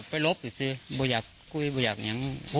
ไม่รู้จริงว่าเกิดอะไรขึ้น